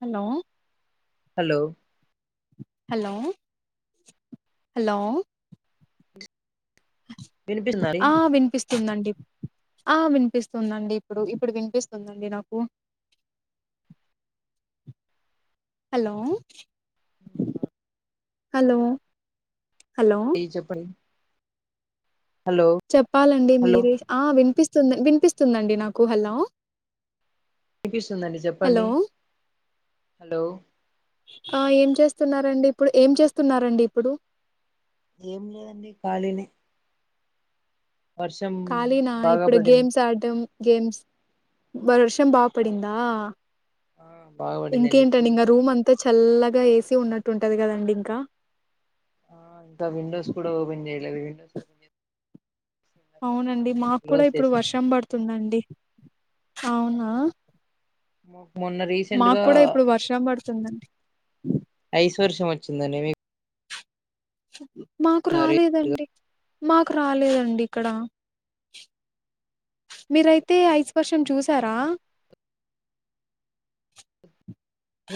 Hello hello hello hello వినిపిస్తుందా అండి దండి ఆ వినిపిస్తుందండి ఇప్పుడు ఇప్పుడు వినిపిస్తుందండి నాకు హలో హలో హలో ఏ చెప్పడి చెప్పాలండి హలో మీర ఆ వినిపిస్త వినిపిస్తుందండి నాకు హలో వినిపిస్తుంది అండి హలో చెప్పండి హలో ఆ ఏం చేస్తున్నారు అండి ఇప్పుడు ఏం చేస్తున్నారు అండి ఇప్పుడు ఏం లేదండి కాలినే ఖాళీనా బాగా ఇప్పుడు పడింది గేమ్స్ ఆడటం గేమ్స్ బర వర్షం ఆ బాపడిందా బాగా పడిందండి ఇంకేంటండి కూల్ ఇంగ ఉంది రూమ్ అంతా క్లైమేట్. చల్లగా ఉన్నట్టు ఉంటది కదండి ఇంకా ఆ ఇంకా విండోస్ కూడా ఓపెన్ చేయలేదు విండోస్ ఓపెన్ చే అవునండి అందుకని మాకు కూడా క్లోజ్ ఇప్పుడు చేశాను వర్షం పడుతుందండి అవునా మొన్న రీసెంట్ మాకు గా కూడా ఇప్పుడు వర్షం పడుతుందండి ఐస్ వర్షం వచ్చిందండి మీకు మాకు రాలేదండి మాకు రాలేదండి. ఇక్కడ మీరైతే ఐస్ వర్షం చూసారా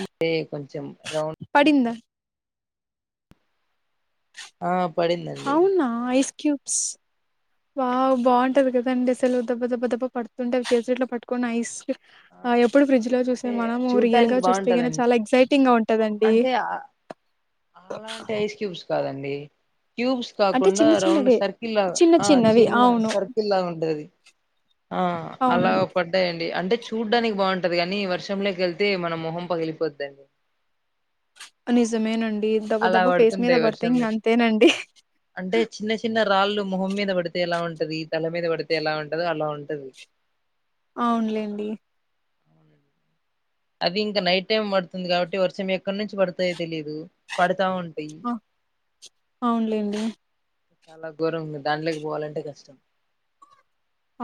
అదే కొంచెం రౌండ్ పడిందా ఆ పడిందండి అవునా ఐస్ క్యూబ్స్ వావ్ ఆ బాగుంటది. కదండి. అసలు దబ్బ దబ్బ దబ్బ పడుతుంటే [unintelligible] పటుకొని ఐస్ ఆ ఎప్పుడు ఫ్రిడ్జ్ లో చూసే అంటే మనము రియల్గా చూడ్డానికి చూస్తే కానీ బాగుంటదండి చాలా ఎక్సైటింగ్గా ఉంటదండి. అంటే ఆ అలాంటి ఐస్ క్యూబ్స్ కాదండి క్యూబ్స్ అంటే కాకుండా చిన్న రౌండ్ చిన్నవే సర్కిల్లా చిన్న ఆ చిన్నవి చిన్న అవును సర్కిల్గా ఉంటది. ఆ అలా అవునండి పడ్డాయ్ అంటే చూడ్డానికి బాగుంటది. కానీ వర్షంలోకి వెళ్తే మన మొహం పగిలిపోద్దండి. నిజమేనండి. దబ్బ అలా దబ్బ ఫేస్ మీద పడుతుంటాయి పడితే వర్షం ఇగా నుంచి అంతేనండి. అంటే చిన్న చిన్న రాళ్ళు మొహం మీద పడితే ఎలా ఉంటది. తల మీద పడితే ఎలా ఉంటదో అలా ఉంటది. అవునులేండి. అది ఇంకా నైట్ టైం పడుతుంది. కాబట్టి వర్షం ఎక్కడి నుంచి పడుతాయో తెలిదు. పడతా ఉంటా పింక్ ఆ, అవునులేండి. చాలా ఘోరం ఉంది. దాంట్లోకి పోవాలంటే కష్టం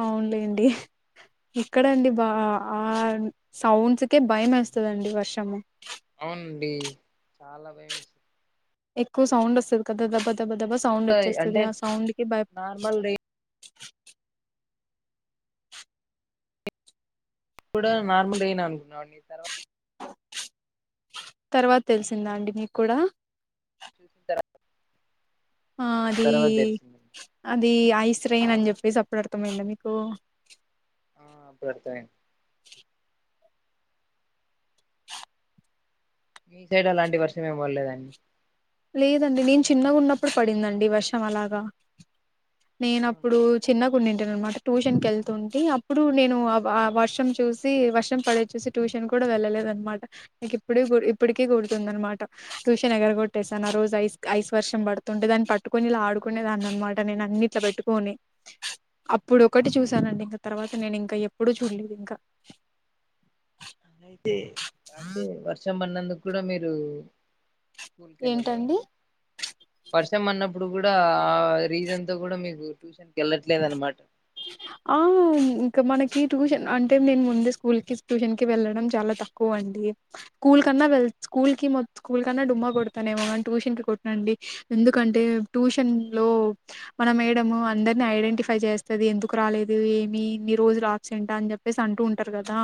అవునులేండి. ఇక్కడండి బా ఆ సౌండ్స్కే భయం వేస్తాదండి వర్షము. అవునండి. చాలా భయం వేసింది. ఎక్కువ సౌండ్ వస్తది. కదా దభ దభ దబ్బా దబ్బా సౌండ్ వచ్చేస్తుంది. అంటే ఆ సౌండ్ కి భయ నార్మల్ రెయిన్ కూడా నార్మల్ అయినా [inaudible] తర్వాత తర్వాత తెలిసిందా అండి మీకు కూడా చూస [inaudible] ఆ అది అది ఐస్ రెయిన్ అని చెప్పేసి అప్పుడు అర్థమైందా మీకు ఆ అప్పుడు అర్థమైంది. మీ సైడ్ అలాంటి వర్షం ఏమ్ పడ్లేదాండి. అ లేదండి నేను చిన్నగా ఉన్నప్పుడు పడిందండి. వర్షం అలాగా నేన అవునా అప్పుడు చిన్న నింటాను. అనమాట ట్యూషన్ క వెళ్తుంటే అప్పుడు నేను ఆ వ వర్షం చూసి వర్షం పడే చూసి ట్యూషన్ కూడా వెళ్ళలేదు అనమాట. నాకు ఇప్పుడ ఇప్పటికి గుర్తుతుంది. అనమాట ట్యూషన్ ఎగరగొ ట్టేసాను రోజు ఐస్ ఐస్ వర్షం పడుతుంటే దాన్ని పట్టుకొని ఇలా ఆడుకునేదాన్ని అనమాట నేను అన్ని ఇట్లా పెట్టుకని అప్పుడు ఒకటి అవునా చూసానండి ఇంక తర్వాత నేను ఇంకా ఎప్పుడుూ చూడలేదు ఇంకా అ అంటే వర్షం పన్నందుకు క్కూడి మీరు స్కూల్ కి ఏంటండి వర్షం పడినప్పుడు అప్పుడు కూడా ఆ రీజన్ తో కూడా మీకు ట్యూషన్కి వెళ్ళట్లేదు అనమాట ఆ ఇంకా మనకి ట్యూషన్ అంటే నేను ముందే స్కూల్ కి ట్యూషన్ కి వెళ్ళడం చాలా తక్కువ అండి స్కూల్ కన్నా వె స్కూల్ కి మొ స్కూల్ కన్నా డుమ్మా కొడతానేమో అని ట్యూషన్ కి కొట్నండి ఎందుకంటే ట్యూషన్ లో మన మేడ అందరిని ఐడెంటిఫై చేస్త అది ఎందుకు రాలేదు ఏమిీ రోజు బ్సెంటా అని చెప్పేసి అంటూ ఉంటారు కదా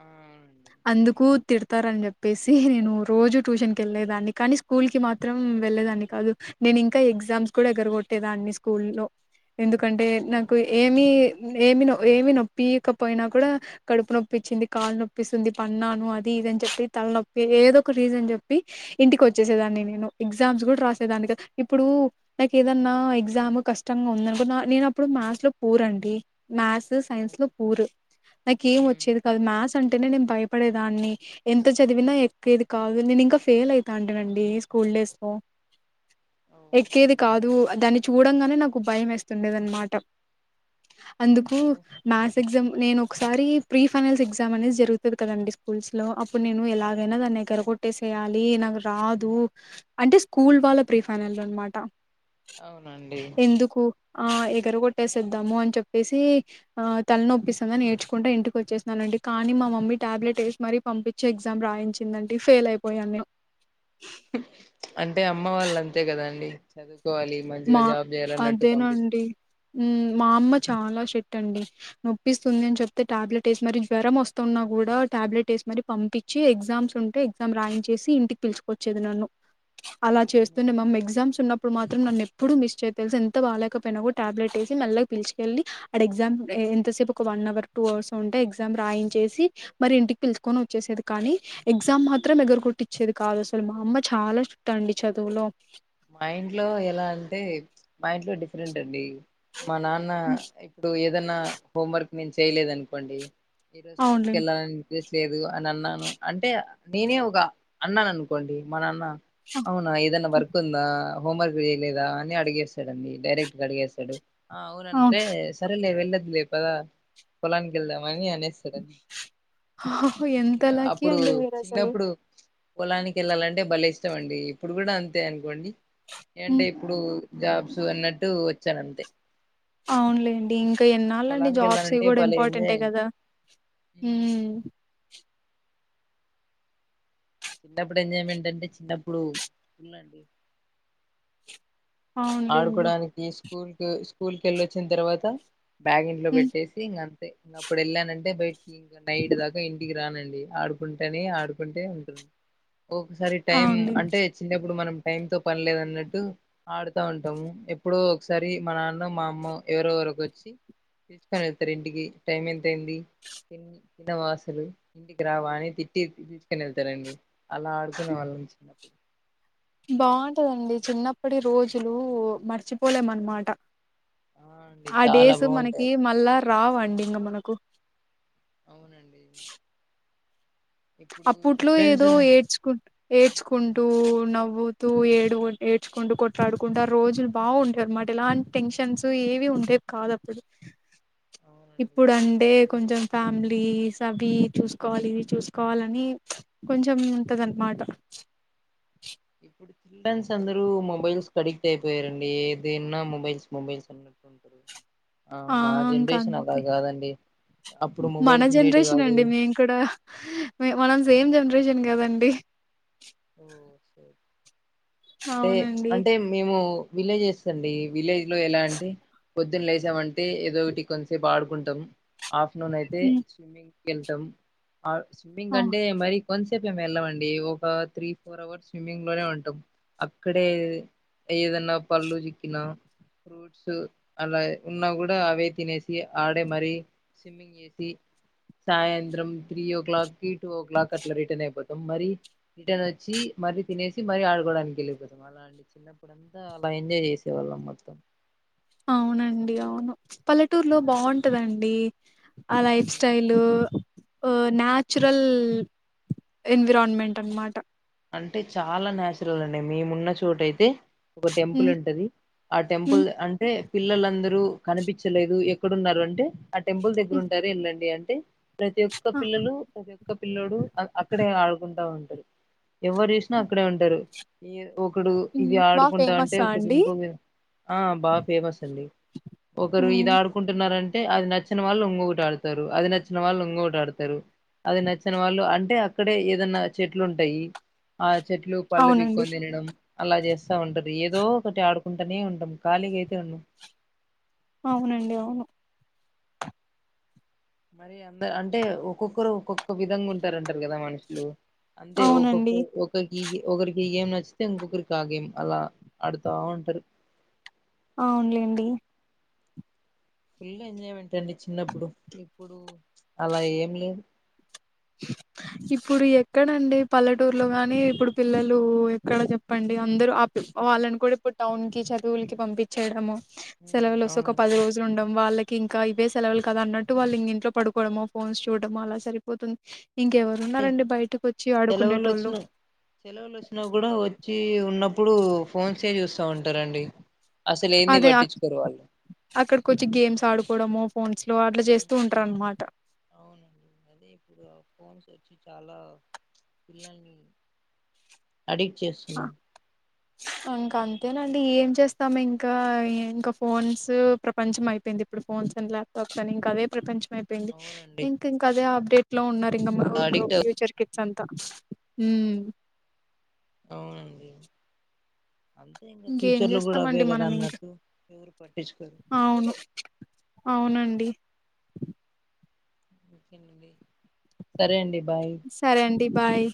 ఆ అవునండి అందుకు తిడతారని చెప్పేసి నేను రోజు ట్యూషన్ కి వెళ్ళలేదాన్ని కానీ స్కూల్ కి మాత్రం వెళ్లేదాన్ని కాదు నేను ఇంకా ఎగ్జామ్స్ కూడా ఎగ్గరగొట్టేదాన్ని స్కూల్ లో ఎందుకంటే ఓ నాకు మరే ఏమి ఏమి ఏమి నొప్పికపోయినా కూడా కడుపు నొప్పిచ్చింది కాళ్లు నొప్పిస్తుంది పన్నాను అది ఇదని చెప్పి తల నొప్పి ఏదో ఒక రీజన్ చెప్పి ఇంటికి వచ్చేసేదాన్ని నేను ఎగ్జామ్స్ కూడా రాసేదానికి ఇప్పుడు నాకు ఏదన్నా ఎగ్జామ్ కష్టంగా ఉందనుకో నేను ఇప్పుడు మాస్ లో పూరండి మాస్ సైన్స్ లో పూరు నాకు ఏం ఉమ్ వచ్చేది కాదు మ్యాచ్ అంటేనే నేను భయపడేదాన్ని ఎంత చదివినా ఎక్కేది కాదు నేను ఇంకా ఫెయిల్ అవుతా అంటేనండి స్కూల్ డేస్ త ఓ ఎక్కేది కాదు దాన్ని చూడంగానే నాకు భయం వేస్తుండేది అనమాట ట అందుకు నేస్ మ్యాథ్స్ ఎగ్జామ్ నేను ఒకసారి ప్రీ ఫైనల్స్ ఎగ్జామ్ అనేది జరుగుతుంది కదండి స్కూల్స్ లో ప్పు నేను ఆ ఎలాగైనా దా దగ్గర కొట్టేసి చేయాలి నాకు రాదు అంటే స్కూల్ వాళ్ళ ప్రీ ఫైనల్ అనమాట అవునండి ఎందుకు ఆ ఎగర కొట్టేసేద్దాము అని చెప్పేసి ఆ తలనొప్పిందని నేర్చుకుంటే ఇంటికి వచ్చేసానండి కానీ మా మమ్మీ టాబ్లెట్ వేసి మరీ పంపించి ఎగ్జామ్ రాయించిందండి ఫెయిల్ అయిపోయాను అంటే అమ్మ వాళ్ళ అంతే కదా అండి చదువు కోవాలి మంచిగా మా జాబ్ చేయాలన్నట్టు అదేనండి పంపిస్తారు మా అమ్మ చాలా షెట్ అండి నొప్పిస్తుంది అని చెప్తే టాబ్లెట్ వేసి మరరి జ్వరం వస్తున్నా కూడా టాబ్లెట్ వేసి మర పంపించి ఎగ్జామ్స్ ఉంటే ఎగ్జామ్ రాయించేసి ఇంటికి పిలుచుకొచ్చేది నన్ను అలా నే చేస్తుండే మమ్ ఎగ్జామ్స్ ఉన్నప్పుడు మాత్రం నన్ను న ఎప్పుడు మిస్ చేయ తెలుసు ఎంత బాాలలేకపోయినా కూడా టాబ్లెట్ వేసి మళ్ళలగా పిలిచుకెళ్ళలి ఆడ ఎగ్జామ్ ఎంతసేపు ఒక వన్ అవర్ టూ అవర్స్ ఉంటే ఎగ్జామ్ రాయించేసి మరి ఇంటికి పిలుచకొని వచ్చేసేది కానీ ఎగ్జామ్ మాత్రం ఎగరగొట్టిచ్చేది కాదు అసలు మా అమ్మ చాలా స్ట్రీట్ అండి చదువులో మా ఇంట్లో ఎలా అంటే మా ఇంట్లో డిఫరెంట్ అండి మా నాన్న హ్మ్. ఇప్పుడు ఏ ఏదన్నా హోం వర్క్ నేను చేయలేదు అనుకోండి ఇరోజ పూల్ అవునులేండి కెలా లేదు అని అన్నాను అంటే నేనే ఒక అన్నాని అనుకోండి మా నాన్న అవునా ఏదన్న వర్క్ హోంవర్క్ చేయలేదా అని అడిగేస్తాడుడి డైరెక్ట్గా అడిగేస్తాడు ఆ అవును అవునంటే సరలే వెల్ పద పొలానికి గెళ్దాం ని అనేస్తాడుని ఎంత ఇకా లక్కీ అప్పుడు అండి మీరు అసలు చిన్నప్పుడు పొలానికి వెళ్ళాలంటే బలే ఇష్టం అండి ఇప్పుడు కూడా అం తే అనుకోండి ఏంటి ఇప్పుడు జాబ్స్ అన్నట్టు వచ్చాను అంతే అవునులేండి ఇంకా ఎన్నాళ్ళండి పొలానికి జాబ్స్ వెళ్ళానంటే కూడా భలే ఎంజాయ్ ఇంపార్టెంట్టే అయింది కదా చిన్నప్పుడు ఎంజాయిమెంట్ అంటే చిన్నప్పుడు అండి అవునులేండి ఆడుకోడానికి స్కూల్ కు స్కూల్ కెళ్ళొచ్చిన తర్వాత బ్యాగ్ ఇంట్లో హ్మ్. పెట్టేసి ఇంగా అప్పుడు వెళ్ళానంటే బయట్ ఇంకా నైట్ దాకా ఇంటికి రానండి ఆడుకుంటనే ఆడుకుంటే ఉంటు ఒకసారి టైం అవునులే అంటే చిన్నప్పుడు మనం టైం తో పనిలేదు అన్నట్టు ఆడు ఉంటాము ఎప్పుడో ఒకసారి మా నాన్ననో మా అమ్మమో ఎవరోఒకరు వచ్చి పిలుచుకొని వెళ్తారు ఇంటికి టైం ఎంతయింది తి తిన్నవా అసలు ఇంటికి రావా అని తిట్టి పిలుచుకోని వెళ్తారండి అలా ఆడుకునే వాళ్ళం చిన్నప్పుడు బాగుంటదండి చిన్నప్పటి రోజులు మర్చిపోలేం అనమాట ఆ అండి ఆ చాలా డేస్ బాగుంటాయి మనకి మళ్ళా రావుఅండి ఇంకా మనకు అవునండి ఇప్పుడు అప్పట్లో స్టూడెంట్స్ ఏదో ఏడ్చుకుంటు ఏడ్చుకుంటూ నవ్వుతూ ఏడు ఏడ్చుకుంటూ కొట్లాడుకుంట రోజులు బాగుండే అనమాట ఎలాంటి టెన్షన్స్ ఏవి ఉండేవి కాదు అప్పుడు అవునండి ఇప్పుడు అంటే కొంచెం ఫ్యామిలీస్ అవి చూసుకోవాలి ఇది చూసుకో కావాలని కొంచెం ఉంటదన్నమాట ఇప్పుడు చిల్డ్రన్స్ అందరూ మొబైల్స్ కి అడిక్ట్ అయిపోయారండి ఏదైన్న మొబైల్స్ మొబైల్స్ అన్నట్టు ఉంటారు ఆ మా ఇంకా జనరేషన్ అలా అంతే కాదండి అప్పుడు మన మొబైల్స్ ఉండేటివి జనరేషన్ కాదు అండి మేము కూడా మనం సేమ్ అవునా జనరేషన్ కదండి ఓ సరే. అంటే అవునండి అంటే మేము విలేజెస్ అండి విలేజ్ లో ఎలాంటే పొద్దున్న లేసామంటే ఏదో ఒకటి కొంతసేపు ఆడుకుంటాం ఆఫ్టర్నూన్ అయితే ఉమ్ స్విమ్మింగ్ కేళ్తాం స్విమ్మింగ్ అవు అంటే మరి కొంతసేపు ఏం వెళ్ళమండీ ఒక త్రీ ఫోర్ అవర్స్ స్విమ్మింగ్ లోనే ఉంటాం అక్కడే ఏదన్నా పళ్ళు చిక్కిన ఫ్రూట్స్ అలా ఉన్నా కూడా అవే తినేసి ఆడే మరీ స్విమ్మింగ్ చేసి సాయంత్రం త్రీ ఓ క్లాక్కిి టూ ఓ క్లాక్కి అట్లా రిటర్న్ అయిపోతాం మరి రిటర్న్ వచ్చి మరీ తినేసి మరీ ఆడుకోవడానికి వెళ్ళిపోతాం అలా అండి చిన్నప్పుడుంతా అలా ఎంజాయ్ చేసేవాళ్ళం మొత్తం అవునండి అవును పల్లెటూరులో బావుంటదండి ఆ లైఫ్ స్టైలు ఉ నాచురల్ ఎన్విరాన్మెంట్ అన్నమాట అంటే చాలా నాచురల్ అండి మేమున్న చోట అయితే ఒక టెంపుల్ ఉంటది ఆ టెంపుల్ అంటే పిల్లలందరూ కనిపిచ్చలేదు ఎక్కడున్నారు అంటే ఆ టెంపుల్ దగ్గరుంటారు ఎళ్ళండి అన్ టే ప్రతి ఒక్క పిల్లలు ప్రతి ఒక్క పిల్లోడు అక్కడే ఆడుకుంటా ఉం ఎవరు చూసినా అక్కడే ఉంటారు ఈ ఒకడు ఇది బాగా ఆడుకుంటా అంటే ఫేమసా ఒకటి అండి ఇంకోది ఆ బా ఫేమస్ అండి ఒకరు హ్మ్. ఇది ఆడుకుంటున్నారం టే అది నచ్చిన వాళ్ళు ఇంగొకటి ఆడుతారు అది నచ్చిన వాళ్ళు ఇంగొకటి ఆడుతారు అది నచ్చిన వాళ్ళు అంటే డే ఏదన్నా చెట్లుంటాయి ఆ చెట్లు పళ్ళు అవునండి పీక్కోని తినడం అలా చేస్తా ఉంటది ఏదో ఒకటి ఆడుకుంటానే ఉంటాం ఖాళీగయితే ఉన్నం అవునండి అవును మరి అంద అంటే ఒక్కొక్కరు ఒక్కొక్క విధంగా ఉంటారంటారు కదా మనుషులు అంటే అవునండి ఒక్కొక్క ఒకకి ఒకరి ఈ గేమ్ నచ్చితే ఇంకొకరికి ఆ గేమ్ అలా ఆడుతా ఉంటారు అవునులేండి ఫుల్ ఎంజాయ్మెంట్ అండి చిన్నప్పుడు ఇప్పుడు అలా ఏం లేదు ఇప్పుడు ఎక్కడండి పల్లెటూర్లో గాని ఇప్పుడు పిల్లలు ఎక్కడ చెప్పండి అందరూ వాళ్ళని కూడా ఇప్పుడు టౌన్ కి చదువులకి పంపిచ్చేయడము సెలవులు వస్తే ఒక అవునండి పది రోజులుండవు వాళ్ళకి ఇంకా ఇవే సెలవులు కదా అన్నట్టు వాళ్ళింగింట్లో పడుకోవడమో ఫోన్స్ చూడటమో అలా సరిపోతుంది ఇంకెవరు ఉన్నారండి బయటకు వచ్చి సెలవులు ఆడుకుండేటోళ్ళు వచ్చిన ప్పుడూ ఫోన్ చెయ్ చూస్తా ఉంటారండి అసలు ఏంది అదే పట్టించుకోరు వాళ్ళు అక్కడకొచ్చి గేమ్స్ ఆడుకు డము ఫోన్స్ లో అట్లా చేస్తూ ఉంటారు అనమాట అవునండి అదే ఇప్పుడు ఆ ఫోన్స్ వచ్చి చాలా పిల్లల్ని అడిక్ట్ చేస్తున్నా ఇంకా అంతేనండి ఏం చేస్తాం ఇంకా ఇంకా ఫోన్స్ ప్రపంచం అయిపోయింది ఇప్పుడు ఫోన్స్ అని ల్యాప్టాప్స్ అని ఇంకా అవే ప్రపంచం అయిపోయింది అవునండి ఇంక ఇంకదే ఆబ్ టెట్లా ఉన్నరు అడిక్ట్ [unintelligible] ఫ్యూచర్ కి సంతా ఊ అవునండి అంతే ఇంకా ఇంకేం ఫ్యూచర్ లో కూడా అవే చేస్తామండి కదా మనం ఇంకా అన్నట్టు ఎవరు పట్టించుకోరు అవును అవునండి ఇంకేం అండి సరే అండి బాయ్ సరే అండి బాయ్